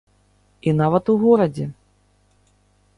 І нават у горадзе.